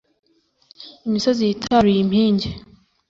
imisozi yitaruye impinge